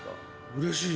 うれしい。